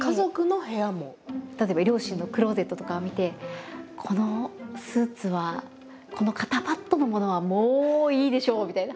例えば両親のクローゼットとかを見てこのスーツはこの肩パッドのものはもういいでしょう！みたいな。